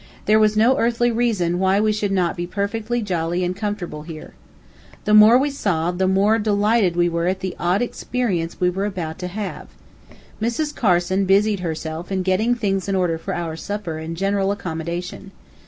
There was no earthly reason why we should not be perfectly jolly and comfortable here. The more we saw, the more delighted we were at the odd experience we were about to have. Mrs. Carson busied herself in getting things in order for our supper and general accommodation.